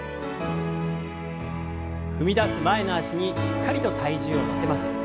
踏み出す前の脚にしっかりと体重を乗せます。